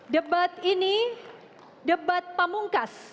debat ini debat pamungkas